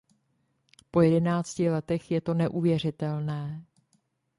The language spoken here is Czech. Po jedenácti letech je to neuvěřitelné.